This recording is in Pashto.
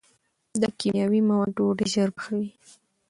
دا کیمیاوي مواد ډوډۍ ژر پخوي.